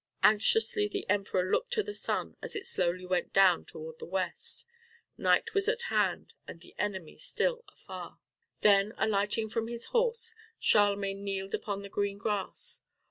Anxiously the Emperor looked to the sun as it slowly went down toward the west. Night was at hand and the enemy still afar. Then, alighting from his horse, Charlemagne kneeled upon the green grass.